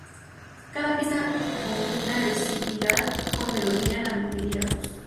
Cada pista combina agresividad con melodía en la medida justa.